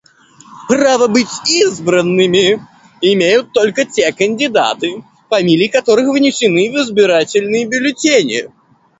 Право быть избранными имеют только те кандидаты, фамилии которых внесены в избирательные бюллетени.